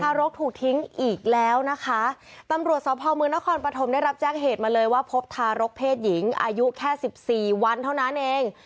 รกถูกทิ้งอีกแล้วนะคะตำรวจสพมนครปฐมได้รับแจ้งเหตุมาเลยว่าพบทารกเพศหญิงอายุแค่สิบสี่วันเท่านั้นเอง